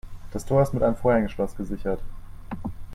Das Tor ist mit einem Vorhängeschloss gesichert.